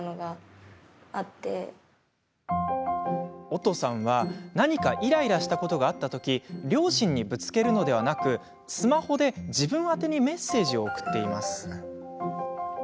おとさんは、何かイライラしたことがあったとき両親にぶつけるのではなくスマホで自分宛にメッセージを送っています。